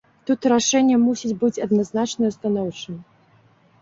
Тут рашэнне мусіць быць адназначнае станоўчым.